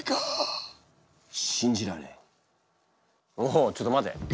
おちょっと待て。